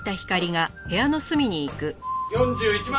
４１万。